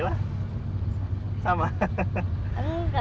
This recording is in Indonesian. gak apa apa ya